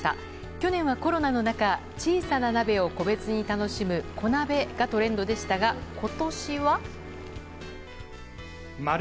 去年はコロナの中「小」さな鍋を「個」別に楽しむこなべがトレンドでしたが今年は。